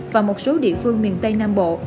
và một số địa phương miền tây nam bộ